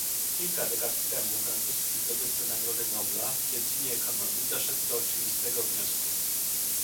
Kilka dekad temu francuski zdobywca nagrody Nobla w dziedzinie ekonomii doszedł do oczywistego wniosku